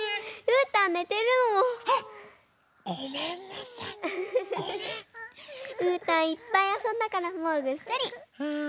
うーたんいっぱいあそんだからもうぐっすり。